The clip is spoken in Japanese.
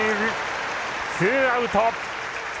ツーアウト！